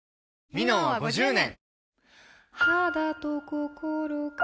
「ミノン」は５０年！